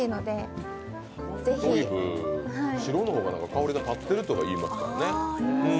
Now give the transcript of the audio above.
トリュフは白の方が香りが立ってるとか言いますからね。